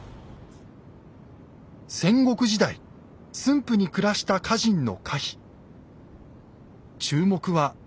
戦国時代駿府に暮らした歌人の歌碑。